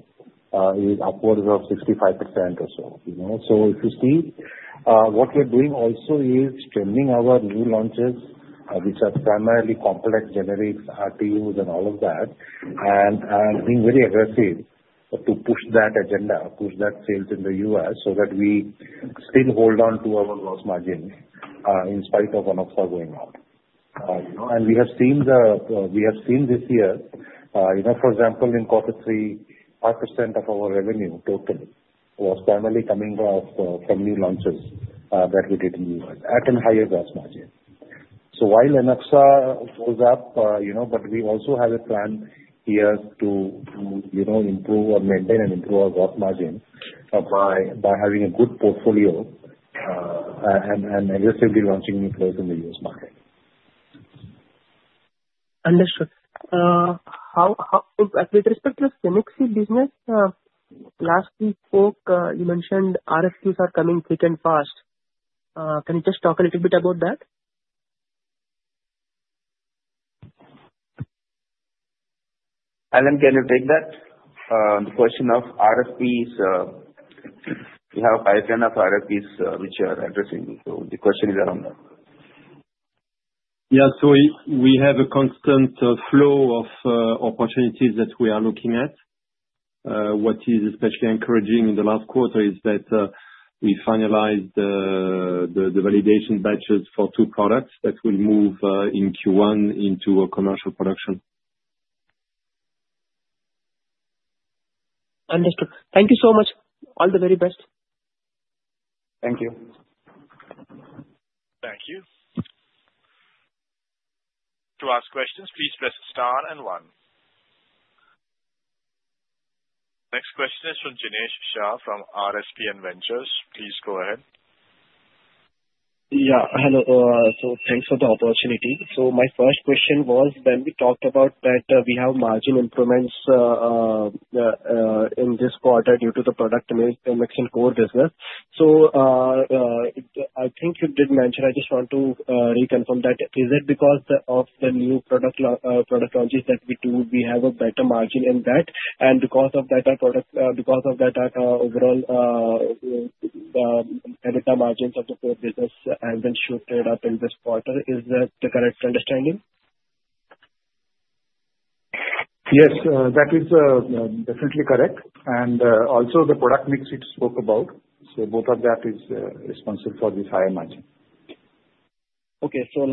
is upwards of 65% or so. So if you see, what we're doing also is extending our new launches, which are primarily complex generics, RTUs, and all of that, and being very aggressive to push that agenda, push that sales in the U.S. so that we still hold on to our gross margin in spite of Enoxa going out. And we have seen this year, for example, in quarter three, 5% of our revenue total was primarily coming from new launches that we did in the U.S. at a higher gross margin. So while Enoxa goes up, but we also have a plan here to improve or maintain and improve our gross margin by having a good portfolio and aggressively launching new players in the U.S. market. Understood. With respect to the Cenexi business, last we spoke, you mentioned RFQs are coming quick and fast. Can you just talk a little bit about that? Alain, can you take that? The question of RFPs, we have a pipeline of RFPs which are addressing. So the question is around that. Yeah. So we have a constant flow of opportunities that we are looking at. What is especially encouraging in the last quarter is that we finalized the validation batches for two products that will move in Q1 into commercial production. Understood. Thank you so much. All the very best. Thank you. Thank you. "To ask questions, please press star and one". Next question is from Dinesh Shah from RSPN Ventures. Please go ahead. Yeah. Hello. So thanks for the opportunity. So my first question was when we talked about that we have margin improvements in this quarter due to the product mix and core business. So I think you did mention, I just want to reconfirm that. Is it because of the new product launches that we do, we have a better margin in that? And because of that, our product because of that, our overall EBITDA margins of the core business have been shifted up in this quarter. Is that the correct understanding? Yes. That is definitely correct, and also the product mix we spoke about, so both of that is responsible for this higher margin. Okay. So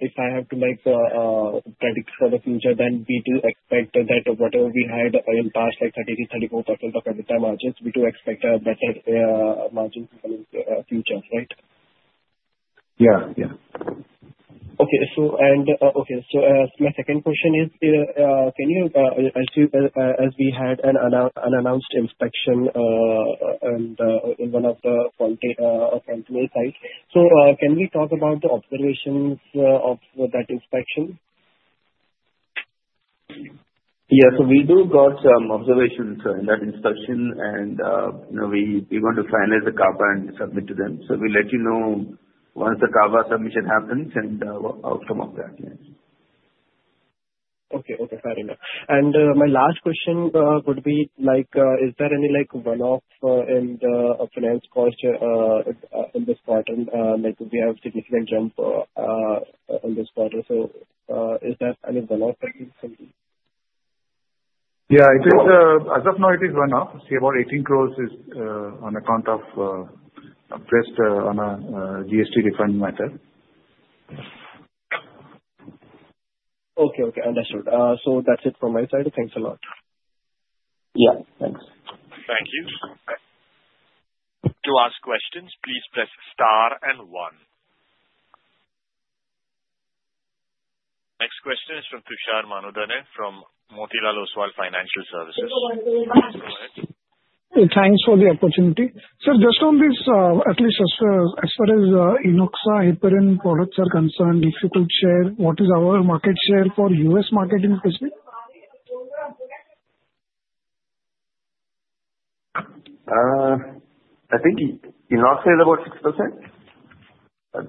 if I have to predict for the future, then we do expect that whatever we had in past, like 33%-34% of EBITDA margins, we do expect a better margin in the future, right? Yeah. Yeah. So my second question is, as we had an unannounced inspection in one of the front-end sites, so can we talk about the observations of that inspection? Yeah. So we do got some observations in that inspection. And we want to finalize the CAPA and submit to them. So we'll let you know once the CAPA submission happens and outcome of that. Okay. Okay. Fair enough. And my last question would be, is there any one-off in the finance cost in this quarter? We have a significant jump in this quarter. So is there any one-off? Yeah. As of now, it is one right now. For 18 crores is on account of just on a GST refund matter. Okay. Okay. Understood. So that's it from my side. Thanks a lot. Yeah. Thanks. Thank you. To ask questions, please press star and one. Next question is from Tushar Manudhane from Motilal Oswal Financial Services. Go ahead. Thanks for the opportunity. Sir, just on this, at least as far as Enoxa, Heparin products are concerned, if you could share what is our market share for U.S. market in particular? I think Enoxa is about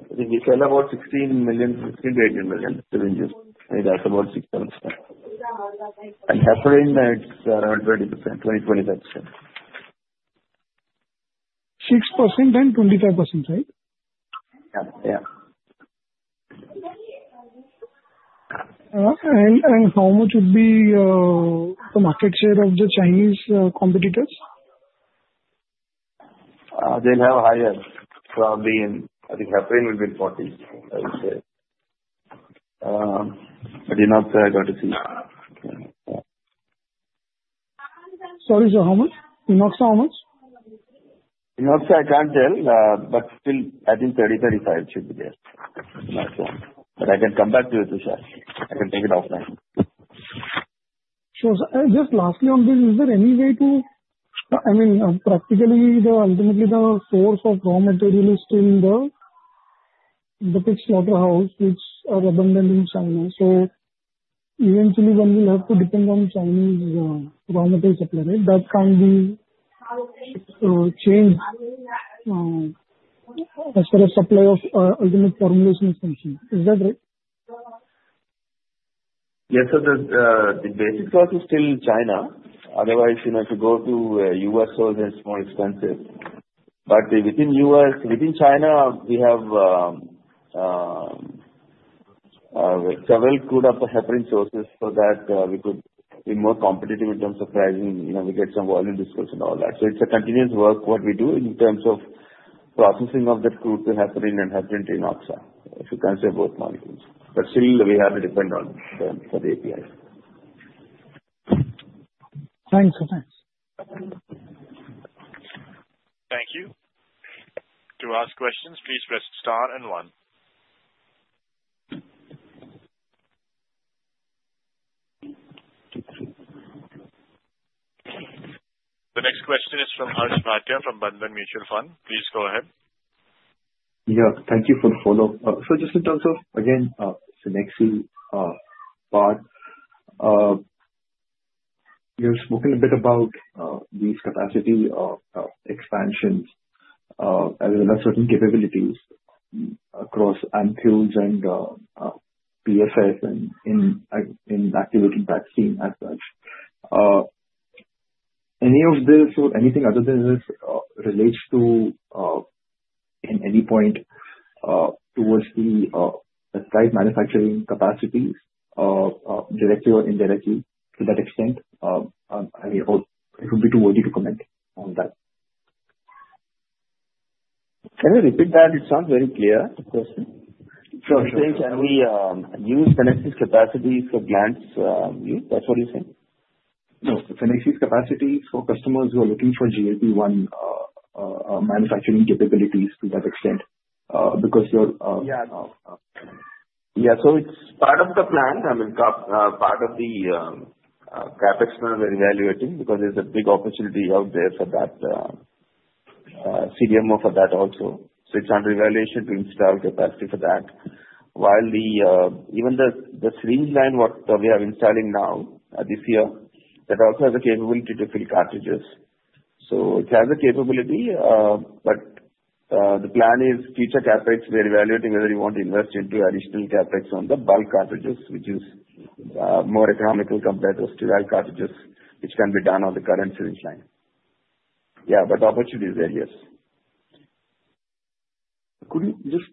6%. We sell about 16 million, 16 to 18 million units. That's about 6%. And Heparin, it's around 20%-25%. 6% and 25%, right? Yeah. Yeah. How much would be the market share of the Chinese competitors? They'll have a higher probability in, I think, Heparin will be in 40%, I would say. But Enoxa, I got to see. Sorry, sir. How much? Enoxa, how much? Enoxa, I can't tell. But still, I think 30-35 should be there. But I can come back to you, Tushar. I can take it offline. So just lastly on this, is there any way to, I mean, practically, ultimately, the source of raw material is still the pig slaughterhouses, which are abundant in China. So eventually, one will have to depend on Chinese raw material supply. That can be changed as far as supply of ultimate formulation function. Is that right? Yes. So the basic source is still China. Otherwise, if you go to US source, it's more expensive. But within China, we have several crude of Heparin sources so that we could be more competitive in terms of pricing. We get some volume disclosure and all that. So it's a continuous work what we do in terms of processing of the crude to Heparin and Heparin to Enoxa, if you can say both molecules. But still, we have to depend on the API. Thanks. Thanks. Thank you. To ask questions, please press star and one. The next question is from Harsh Bhatia from Bandhan Mutual Fund. Please go ahead. Yeah. Thank you for the follow-up. So just in terms of, again, Cenexi part, you've spoken a bit about these capacity expansions and certain capabilities across ampoules and PFS and inactivating vaccines as such. Any of this or anything other than this relates to, in any point, towards the site manufacturing capacities, directly or indirectly, to that extent? I mean, it would be too early to comment on that. Can I repeat that? It sounds very clear, the question. Sure. You're saying can we use Cenexi's capacities for Gland's use? That's what you're saying? No. Cenexi's capacities for customers who are looking for GLP-1 manufacturing capabilities to that extent because you're. Yeah. Yeah. So it's part of the plan. I mean, part of the CapEx plan we're evaluating because there's a big opportunity out there for that, CDMO for that also. So it's under evaluation to install capacity for that. While even the syringe line, what we are installing now this year, that also has a capability to fill cartridges. So it has a capability. But the plan is future CapEx, we're evaluating whether you want to invest into additional CapEx on the bulk cartridges, which is more economical compared to the sterile cartridges, which can be done on the current syringe line. Yeah. But opportunity is there, yes. Could you just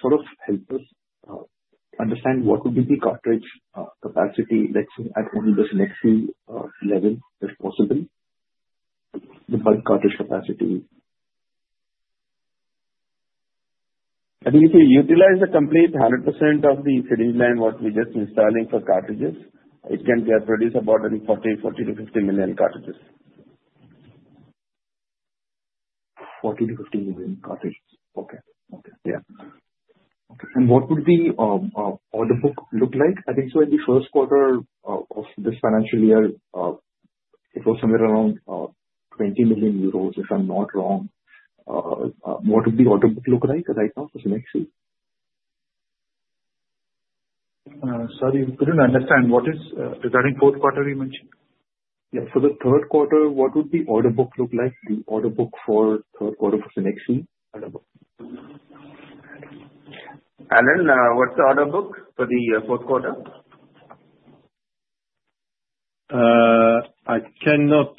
sort of help us understand what would be the cartridge capacity, let's say, at the Cenexi level, if possible, the bulk cartridge capacity? I mean, if you utilize the complete 100% of the syringe line, what we're just installing for cartridges, it can produce about 40-50 million cartridges. 40-50 million cartridges. Okay. Okay. Yeah. Okay. And what would the order book look like? I think so in the first quarter of this financial year, it was somewhere around 20 million euros, if I'm not wrong. What would the order book look like right now for Cenexi? Sorry, I couldn't understand. What is regarding fourth quarter, you mentioned? Yeah. For the third quarter, what would the order book look like, the order book for third quarter for Cenexi? Alain, what's the order book for the fourth quarter? I cannot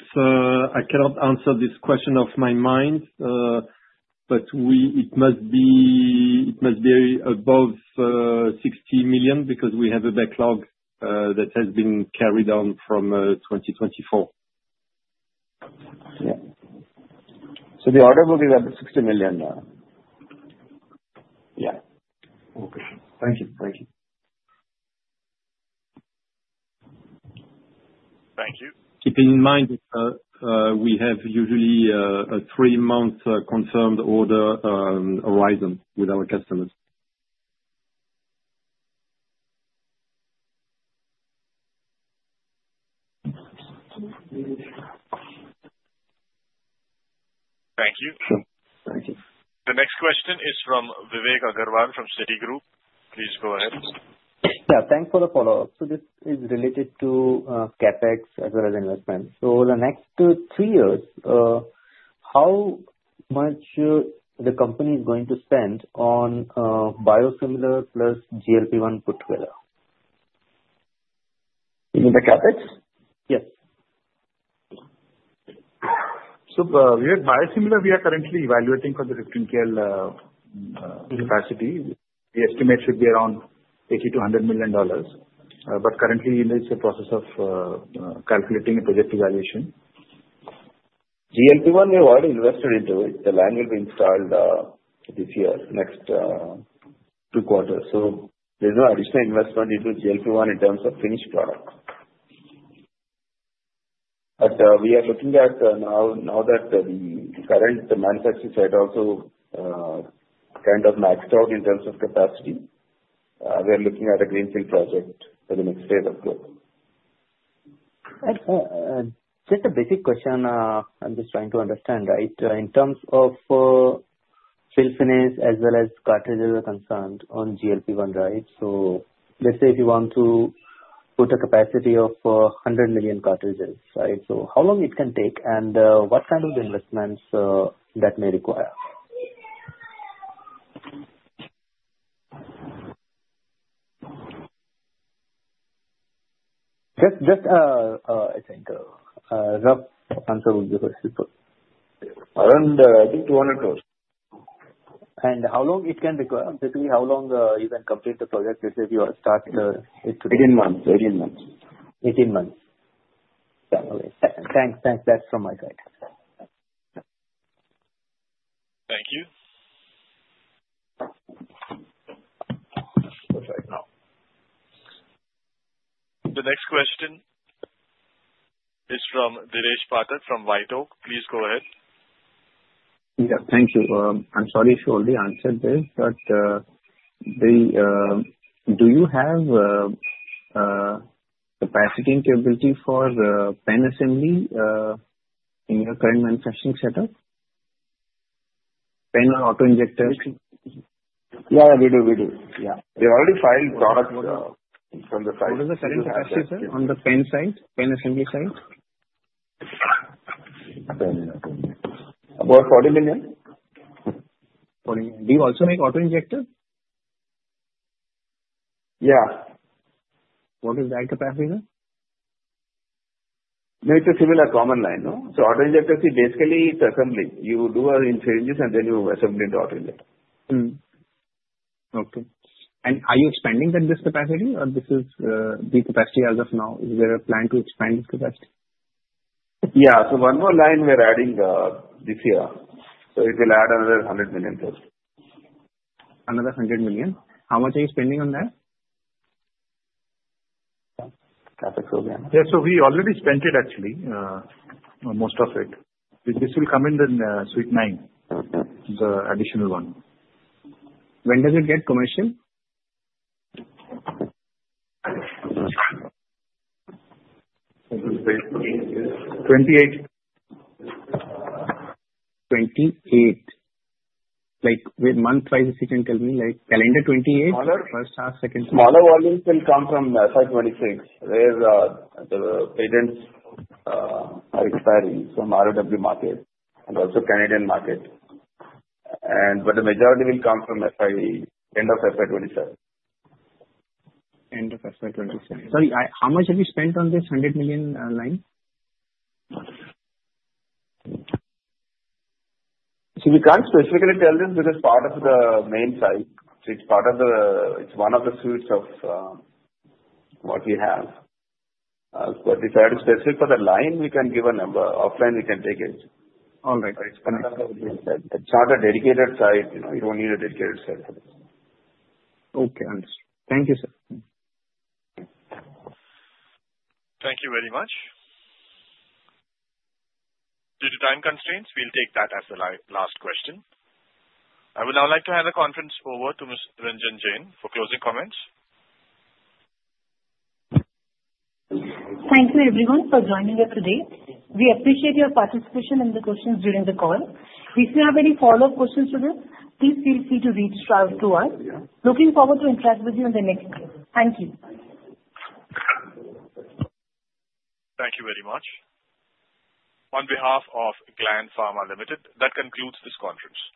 answer this question off my mind, but it must be above 60 million because we have a backlog that has been carried on from 2024. Yeah. So the order book is at the 60 million now. Yeah. Okay. Thank you. Thank you. Thank you. Keeping in mind that we have usually a three-month confirmed order horizon with our customers. Thank you. The next question is from Vivek Agarwal from Citigroup. Please go ahead. Yeah. Thanks for the follow-up. So this is related to CapEx as well as investment. So the next three years, how much the company is going to spend on biosimilar plus GLP-1 put together? In the CapEx? Yes. So, biosimilar, we are currently evaluating for the 15KL capacity. We estimate should be around $80 million-$200 million. But currently, it's a process of calculating a projected valuation. GLP-1, we've already invested into it. The line will be installed this year, next two quarters. So there's no additional investment into GLP-1 in terms of finished product. But we are looking at now that the current manufacturing side also kind of maxed out in terms of capacity, we're looking at a greenfield project for the next phase of growth. Just a basic question. I'm just trying to understand, right? In terms of fill finish as well as cartridges are concerned on GLP-1, right? So let's say if you want to put a capacity of 100 million cartridges, right? So how long it can take and what kind of investments that may require? Just, I think, a rough answer would be very simple. Around, I think, INR 200 crores. How long it can require? Basically, how long you can complete the project if you start it today? 18 months. 18 months. 18 months. Thanks. Thanks. That's from my side. Thank you. The next question is from Dheeresh Pathak from WhiteOak Capital. Please go ahead. Yeah. Thank you. I'm sorry if you already answered this, but do you have capacity and capability for pen assembly in your current manufacturing setup? Pen or auto-injector? Yeah. We do. We do. Yeah. We already filed products from the side. What is the current capacity, sir, on the pen side, pen assembly side? About 40 million. 40 million. Do you also make auto-injectors? Yeah. What is that capacity? No, it's a similar common line, no? So auto injectors, basically, it's assembly. You do it in syringes, and then you assemble into auto injector. Okay. Are you expanding this capacity, or is this the capacity as of now? Is there a plan to expand this capacity? Yeah. So one more line we're adding this year. So it will add another INR 100 million to it. Another 100 million? How much are you spending on that? CapEx will be another. Yeah.So we already spent it, actually, most of it. This will come in the Suite 9, the additional one. When does it get commercial? 28. 28. Like with month-wise, if you can tell me, calendar 2028? First half, second half? Smaller volumes will come from FY2026. The patents are expiring from ROW market and also Canadian market. But the majority will come from end of FY2027. End of FY2027. Sorry, how much have you spent on this 100 million line? See, we can't specifically tell this because part of the main site. It's one of the suites of what we have. But if we are specific for the line, we can give a number. Offline, we can take it. All right. But it's not a dedicated site. You don't need a dedicated site for this. Okay. Understood. Thank you, sir. Thank you very much. Due to time constraints, we'll take that as the last question. I would now like to hand the conference over to Ms. Ranjini Jain for closing comments. Thank you, everyone, for joining us today. We appreciate your participation in the questions during the call. If you have any follow-up questions for this, please feel free to reach out to us. Looking forward to interacting with you in the next. Thank you. Thank you very much. On behalf of Gland Pharma Limited, that concludes this conference.